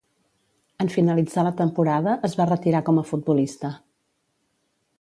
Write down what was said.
En finalitzar la temporada, es va retirar com a futbolista.